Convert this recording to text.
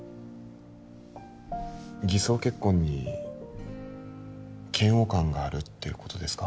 偽装結婚に嫌悪感があるっていうことですか？